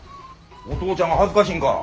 お父ちゃんが恥ずかしいんか。